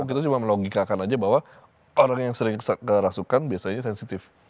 kita cuma melogikakan aja bahwa orang yang sering kerasukan biasanya sensitif